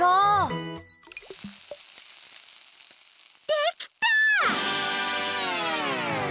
できた！